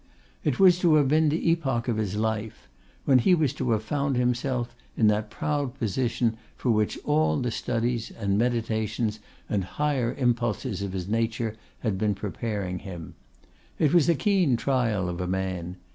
It was to have been the epoch of his life; when he was to have found himself in that proud position for which all the studies, and meditations, and higher impulses of his nature had been preparing him. It was a keen trial of a man.